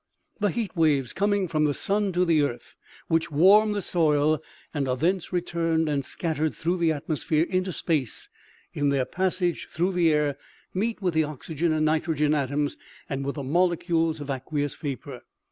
" The heat waves, coming from the sun to the earth, which warm the soil and are thence returned and scattered through the atmosphere into space, in their passage through the air meet with the oxygen and nitrogen atoms and with the molecules of aqueous vapor.